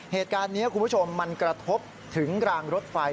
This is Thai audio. เหตุการณ์นี้คุณผู้ชมมันกระทบถึงรางรถไฟ